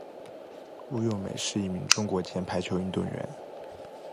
吴咏梅是一名中国前排球运动员。